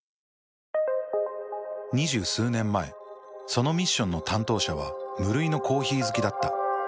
２０数年前そのミッションの担当者は無類のコーヒー好きだった。